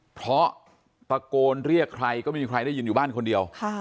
เพราะตะโกนเรียกใครก็ไม่มีใครได้ยินอยู่บ้านคนเดียว